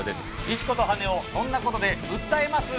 「石子と羽男−そんなコトで訴えます？−」